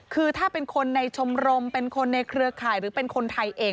คือถ้าเป็นคนในชมรมเป็นคนในเครือข่ายหรือเป็นคนไทยเอง